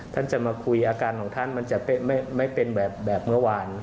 ท่านจะมาคุยอาการของท่านมันจะไม่เป็นแบบเมื่อวาน